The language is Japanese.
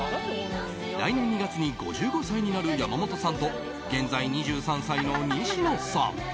来年２月に５５歳になる山本さんと現在２３歳の西野さん。